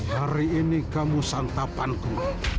hari ini kamu santapanku